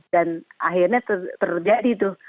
dan akhirnya terjadi itu